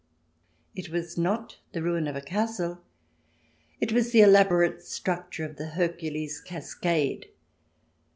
It was not the ruin of a castle, it was the elaborate structure of the Hercules Cascade.